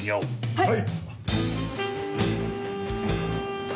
はい！